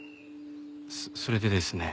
それでですね